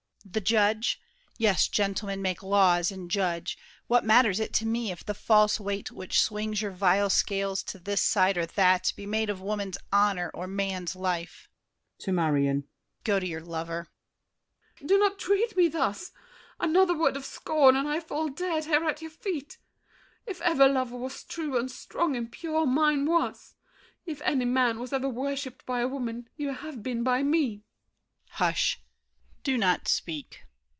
The judge? Yes, gentlemen, make laws and judge! What matters it to me if the false weight Which swings your vile scales to this side or that Be made of woman's honor or man's life? [To Marion.] Go to your lover! MARION. Do not treat me thus! Another word of scorn and I fall dead Here at your feet. If ever love was true And strong and pure, mine was. If any man Was ever worshiped by a woman, you Have been by me. DIDIER. Hush! Do not speak!